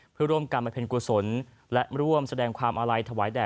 เพื่อร่วมกันบรรเพ็ญกุศลและร่วมแสดงความอาลัยถวายแด่